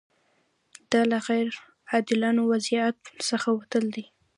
دا له غیر عادلانه وضعیت څخه وتل دي.